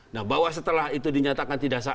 nah bahwa setelah itu dinyatakan tidak sah